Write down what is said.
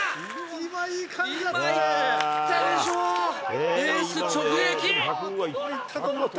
今、いい感じだった。